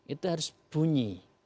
itu harus bunyi